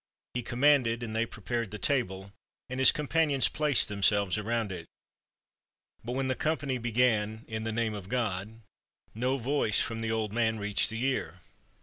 He commanded, and they prepared the table, and his com panions placed themselves around it. But when the company began, "In the name of God," no voice from the old man reached the ear.